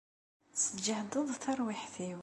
Tesǧehdeḍ tarwiḥt-iw.